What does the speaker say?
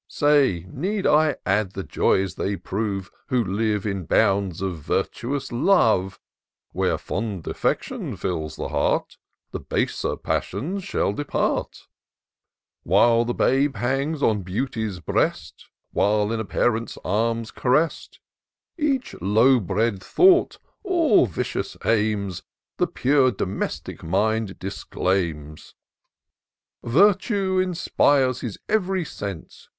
Say, need I add the joys they prove. Who live in bounds of virtuous love ? Where fond affection fiUs the heart. The baser passions shall depart. While the babe hangs on Beauty's breast. While in a parent's arms caress'd. Each low bred thought, all vicious aims. The pure, domestic mind disclaims : Virtue inspires his ev'ry sense.